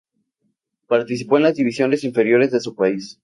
Participó con las divisiones inferiores de su país.